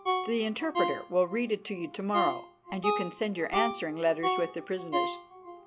The interpreter will read it to you to morrow, and you can send your answering letters with the prisoners."